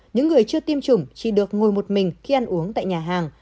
những người chưa tiêm chủng chỉ được ngồi một mình khi ăn uống tại nhà hàng